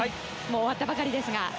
終わったばかりですが。